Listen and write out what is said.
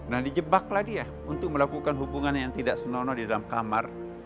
nah di jebaklah dia untuk melakukan hubungan yang tidak senoloh di dalam kamar